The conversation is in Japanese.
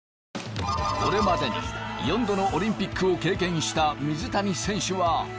これまでに４度のオリンピックを経験した水谷選手は。